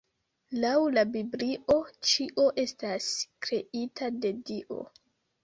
Laŭ la Biblio ĉio estas kreita de Dio.